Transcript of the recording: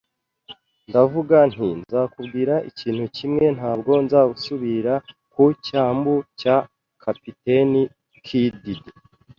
Ndavuga nti: “Nzakubwira ikintu kimwe, ntabwo nzasubira ku cyambu cya Kapiteni Kidd.